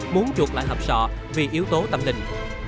muốn chuột lại hầm sọ vì yếu tố tâm linh